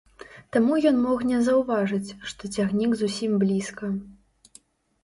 Таму ён мог не заўважыць, што цягнік зусім блізка.